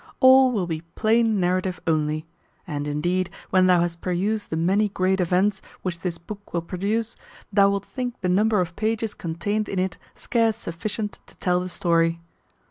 All will be plain narrative only; and, indeed, when thou hast perused the many great events which this book will produce, thou wilt think the number of pages contained in it scarce sufficient to tell the story.